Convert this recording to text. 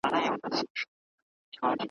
ځای پر ځای به وي ولاړ سر به یې ښوري ,